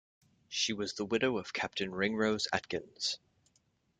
She was the widow of Captain Ringrose Atkyns.